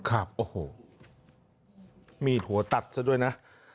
ครับโอ้โหมีดหัวตัดซะด้วยนะ